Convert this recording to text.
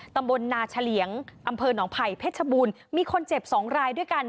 ตำบลนาเฉลี่ยงอำเภอหนองไผ่เพชรบูรณ์มีคนเจ็บสองรายด้วยกัน